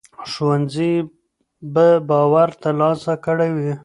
ښوونځي به باور ترلاسه کړی وي.